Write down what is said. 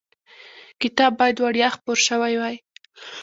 کتاب باید وړیا خپور شوی وای.